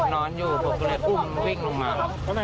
นอนดูผมก็ได้ทุ่มวิ่งลงมา